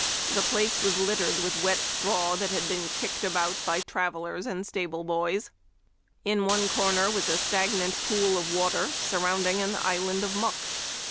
The place was littered with wet straw that had been kicked about by travelers and stable boys. In one corner was a stagnant pool of water surrounding an island of muck.